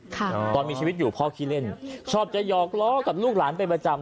ตอนมีชีวิตอยู่พ่อขี้เล่นชอบจะหยอกล้อกับลูกหลานเป็นประจำ